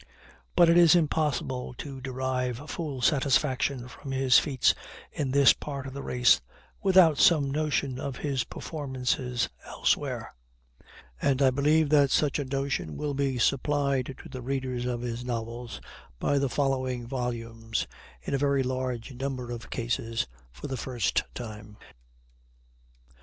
But it is impossible to derive full satisfaction from his feats in this part of the race without some notion of his performances elsewhere; and I believe that such a notion will be supplied to the readers of his novels by the following volumes, in a very large number of cases, for the first time.